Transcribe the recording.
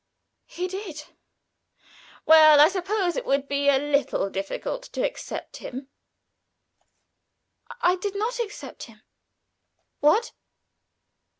"He did." "Well, I suppose it would be a little difficult to accept him." "I did not accept him." "What?"